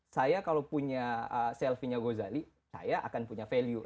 saya kalau punya selfie nya gozali saya akan punya value